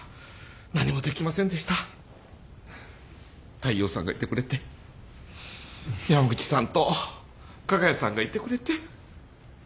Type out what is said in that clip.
大陽さんがいてくれて山口さんと加賀谷さんがいてくれて。